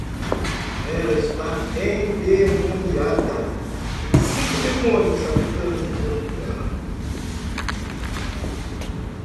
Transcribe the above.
Ela está endemoniada, tem cinco demônios habitando o corpo dela